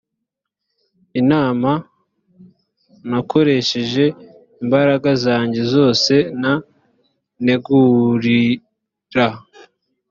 imana nakoresheje imbaraga zanjye zose n ntegurira